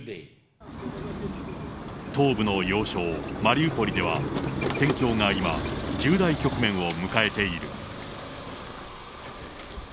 東部の要衝マリウポリでは、戦況が今、重大局面を迎えている。